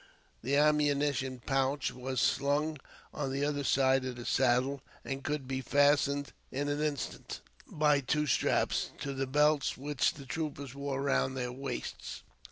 The ammunition pouch was slung on the other side of the saddle, and could be fastened in an instant, by two straps, to the belts which the troopers wore round their waists.